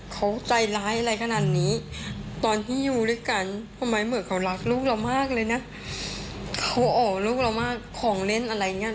เขารักลูกเรามากเลยนะเขาออกลูกเรามากของเล่นอะไรอย่างเงี้ย